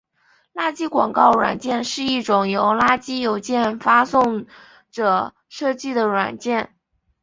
垃圾广告软件是一种由垃圾邮件发送者设计的软件。